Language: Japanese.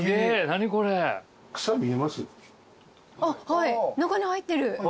はい中に入ってる。